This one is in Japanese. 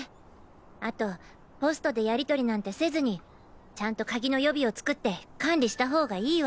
あとポストでやりとりなんてせずにちゃんと鍵の予備を作って管理したほうがいいわ。